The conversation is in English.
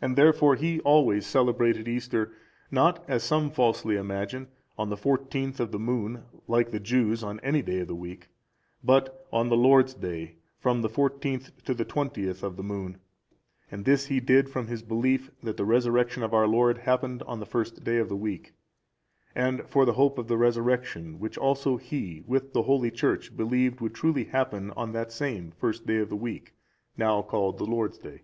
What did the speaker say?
And therefore he always celebrated Easter, not as some falsely imagine, on the fourteenth of the moon, like the Jews, on any day of the week, but on the Lord's day, from the fourteenth to the twentieth of the moon; and this he did from his belief that the Resurrection of our Lord happened on the first day of the week, and for the hope of our resurrection, which also he, with the holy Church, believed would truly happen on that same first day of the week, now called the Lord's day.